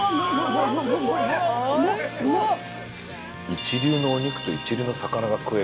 一流のお肉と一流の魚が食える。